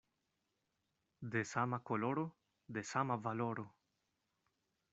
De sama koloro, de sama valoro.